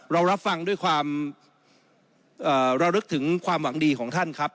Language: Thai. เรารับฟังด้วยความระลึกถึงความหวังดีของท่านครับ